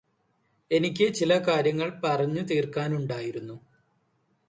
എനിക്ക് ചില കാര്യങ്ങള് പറഞ്ഞു തീര്ക്കാനുണ്ടായിരുന്നു